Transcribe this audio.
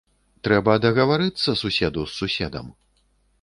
Трэба дагаварыцца суседу з суседам.